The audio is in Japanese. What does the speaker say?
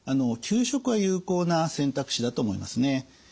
休職は有効な選択肢だと思いますね。